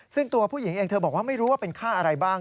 ซึ่งตัวผู้หญิงเองเธอบอกว่าไม่รู้ว่าเป็นค่าอะไรบ้าง